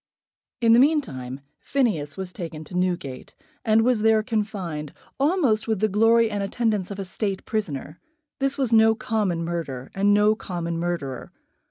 In the meantime Phineas was taken to Newgate, and was there confined, almost with the glory and attendance of a State prisoner. This was no common murder, and no common murderer.